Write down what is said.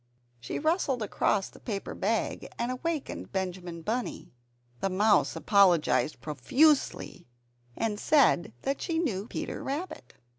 She rustled across the paper bag, and awakened Benjamin Bunny. The mouse apologized profusely, and said that she knew Peter Rabbit.